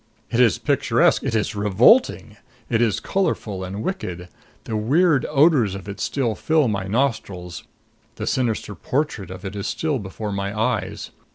It is picturesque; it is revolting; it is colorful and wicked. The weird odors of it still fill my nostrils; the sinister portrait of it is still before my eyes.